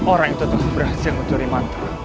orang itu terus berhasil mencuri mantra